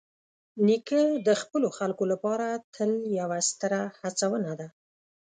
نیکه د خپلو خلکو لپاره تل یوه ستره هڅونه ده.